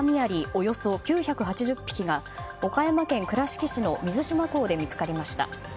およそ９８０匹が岡山県倉敷市の水島港で見つかりました。